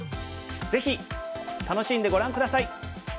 ぜひ楽しんでご覧下さい。